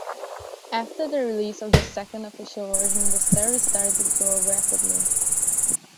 After the release of the second official version the service started to grow rapidly.